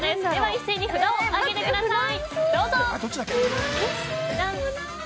一斉に札を上げてください。